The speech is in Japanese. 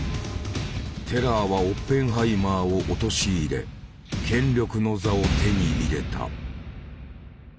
テラーはオッペンハイマーを陥れ権力の座を手に入れた。